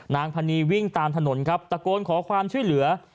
นางพนีวิ่งตามถนนครับตะโกนขอความช่วยเหลือ